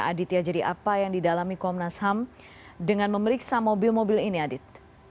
aditya jadi apa yang didalami komnas ham dengan memeriksa mobil mobil ini adit